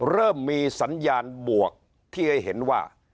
เริ่มมีสัญญาณบวกที่ให้เห็นว่า